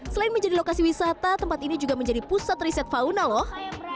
selain menjadi lokasi wisata tempat ini juga menjadi pusat riset fauna loh